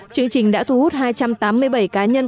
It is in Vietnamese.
chương trình đã thu hút hai trăm tám mươi bảy cá nhân